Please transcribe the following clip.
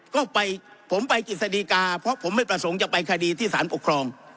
ก็ไปผมไปกิจสดีกาเพราะผมไม่ประสงค์จะไปคดีที่สารปกครอง